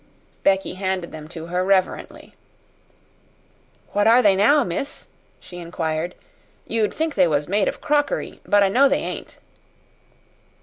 Becky handed them to her reverently. "What are they now, miss?" she inquired. "You'd think they was made of crockery but I know they ain't."